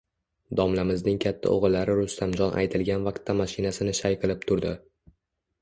Domlamizning katta o`g`illari Rustamjon aytilgan vaqtda mashinasini shay qilib turdi